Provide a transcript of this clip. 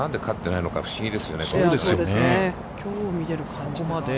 きょう見ている感じでは。